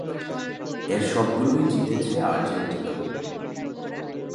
এর সবগুলোই জিতেছে আর্জেন্টিনা।